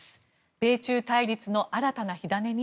米中対立の新たな火種に？